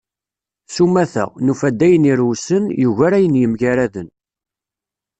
S umata, nufa-d ayen irewsen yugar ayen yemgaraden.